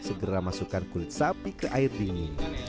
segera masukkan kulit sapi ke air dingin